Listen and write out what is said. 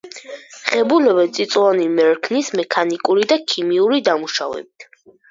ღებულობენ წიწვოვანი მერქნის მექანიკური და ქიმიური დამუშავებით.